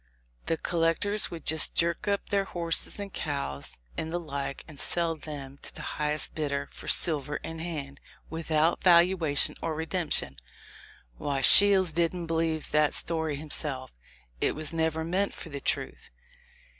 The collec tors, would just jerk up their horses and cows, and the like, and sell them to the highest bidder for silver in hand, without valuation or redemption. Why, Shields didn't believe that story himself : it was never meant for the truth.